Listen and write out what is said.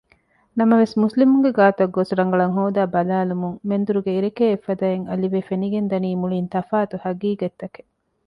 ނަމަވެސް މުސްލިމުންގެ ގާތަށްގޮސް ރަނގަޅަށް ހޯދައި ބަލައިލުމުން މެންދުރުގެ އިރެކޭ އެއްފަދައިން އަލިވެ ފެނިގެންދަނީ މުޅީން ތަފާތު ޙަޤީޤަތްތަކެއް